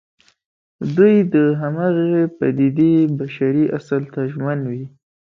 دوی د همغې پدېدې بشري اصل ته ژمن وي.